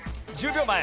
１０秒前。